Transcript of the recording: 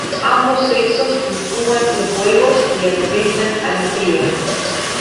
Ambos sexos incuban los huevos y alimentan a las crías.